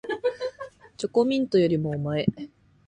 チョコミントよりもおまえ